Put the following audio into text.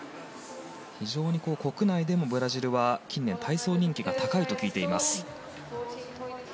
非常に国内でもブラジルは体操人気が高いと聞いています。